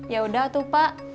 yaudah atu pak